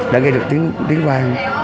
đã gây được tiếng vang